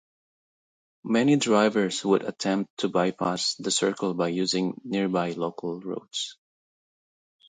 Many drivers would attempt to bypass the circle by using nearby local roads.